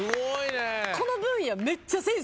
この分野。